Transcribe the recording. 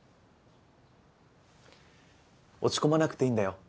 落ち込まなくていいんだよ。